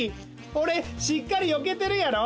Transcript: おれしっかりよけてるやろ？